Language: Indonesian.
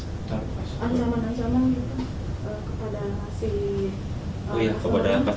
ancaman ancaman kepada si